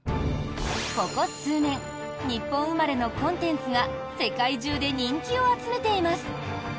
ここ数年日本生まれのコンテンツが世界中で人気を集めています。